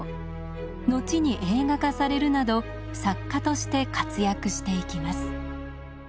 後に映画化されるなど作家として活躍していきます。